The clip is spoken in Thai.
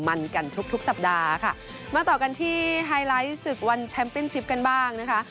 มันกันทุกทุกสัปดาห์ค่ะมาต่อกันที่ไฮไลท์ศึกวันแชมป์เป็นชิปกันบ้างนะคะ